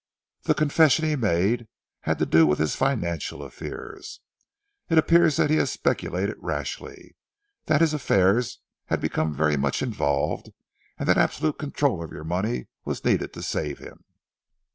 The confession he made had to do with his financial affairs. It appears that he has speculated rashly, that his affairs have become very much involved, and that absolute control of your money was needed to save him."